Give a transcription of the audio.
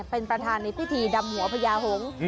เป็นประธานในพิธีดำหัวพญาหงษ์